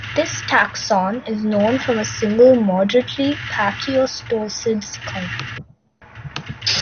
This taxon is known from a single, moderately pachyostosed skull.